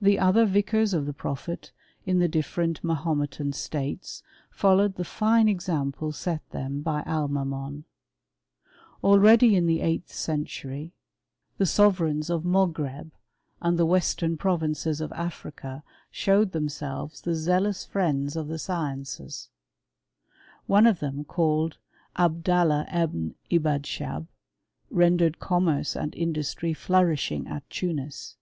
The other vicars of the prophet, in the different Mahometan states, followed the fine example set them b; Almamgn. Already in the eig hth century ll[i^ ^ONt^ VOL. I, I 114 HISTORY O? CHEMISTRY. reigns of Mogreb and th6 western provinces of Africa showed themselves the zealous friends of the sciences* One of them called Abdallah Ebn Ibadschab ren dered commerce and industry flourishing at Tunis.